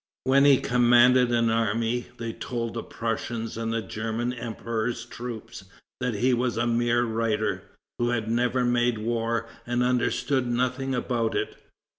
When he commanded an army, they told the Prussians and the German Emperor's troops that he was a mere writer, who had never made war and understood nothing about it.